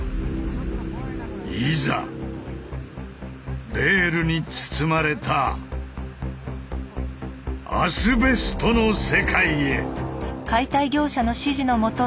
いざベールに包まれたアスベストの世界へ！